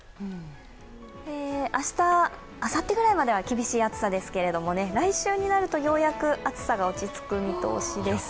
明日、あさってぐらいまでは厳しい暑さですけれども、来週になると、ようやく暑さが落ち着く見通しです。